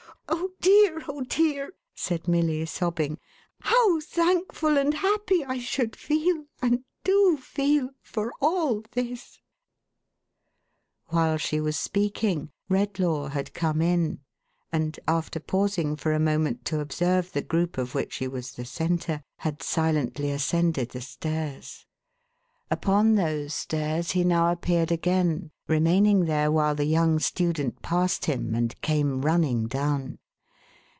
Oh dear, oh dear,11 said Milly, sobbing. " How thankful and how happy I should feel, and do feel, for all this !" While she was speaking, Redlaw had come in, and, after pausing for a moment to observe the group of which she was the centre, had silently ascended the stairs. Upon those stairs he now appeared again; remaining there, while the young student passed him, and came running down.